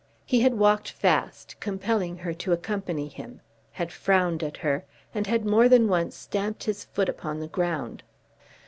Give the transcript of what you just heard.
He had walked fast, compelling her to accompany him, had frowned at her, and had more than once stamped his foot upon the ground.